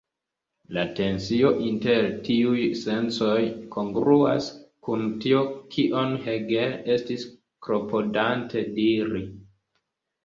La tensio inter tiuj sencoj kongruas kun tio kion Hegel estis klopodante diri.